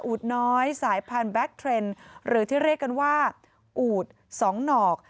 ูดน้อยสายพันธุแบ็คเทรนด์หรือที่เรียกกันว่าอูดสองหนอก